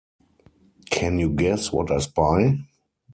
Can you guess what I spy?